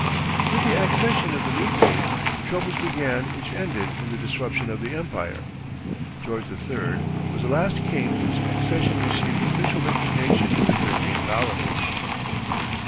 With the accession of the new king the troubles began which ended in the disruption of the empire. George III. was the last king whose accession received official recognition in the thirteen colonies.